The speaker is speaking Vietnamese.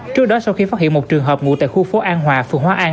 trước đó sau khi phát hiện một trường hợp ngụ tại khu phố an hòa phường hóa an